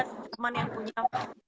teman yang punya